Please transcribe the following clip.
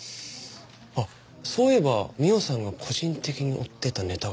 あっそういえば美緒さんが個人的に追ってたネタがあったな。